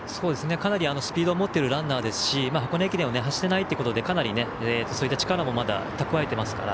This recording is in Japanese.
かなりスピードを持つランナーですし箱根駅伝を走っていないことでかなり、そういった力も蓄えていますから。